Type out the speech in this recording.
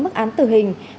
mức án tử hình